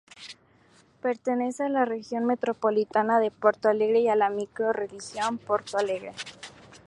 Pertenece a la Región Metropolitana de Porto Alegre y a la Micro-región Porto Alegre.